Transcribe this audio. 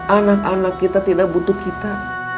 anak anak kita tidak butuh kita